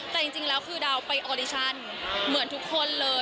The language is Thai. แต่จริงแล้วคือดาวไปออดิชั่นเหมือนทุกคนเลย